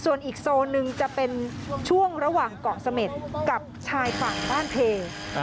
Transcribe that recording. ส่วนอีกโซนนึงจะเป็นช่วงระหว่างเกาะเสม็ดกับชายฝั่งบ้านเพ